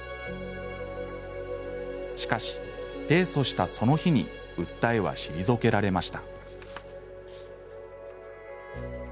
しかし、提訴したその日に訴えは退けられました。